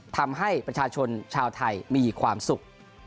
ทำให้ประชาชนชาวไทยมีความสุข